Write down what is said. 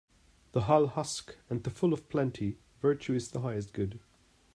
The hull husk and the full in plenty Virtue is the highest good